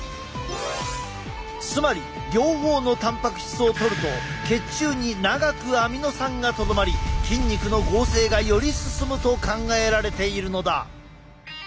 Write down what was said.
つまり両方のたんぱく質をとると血中に長くアミノ酸がとどまり筋肉の合成がより進むと考えられているのだ。